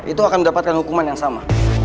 itu akan mendapatkan hukuman yang sama